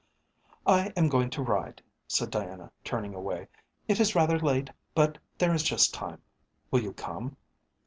"I am going to ride," said Diana, turning away. "It is rather late, but there is just time. Will you come?"